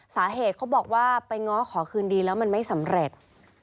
เขาบอกว่าไปง้อขอคืนดีแล้วมันไม่สำเร็จ